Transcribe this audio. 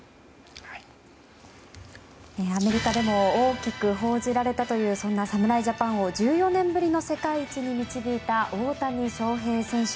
アメリカでも大きく報じられたというそんな侍ジャパンを１４年ぶりの世界一に導いた大谷翔平選手。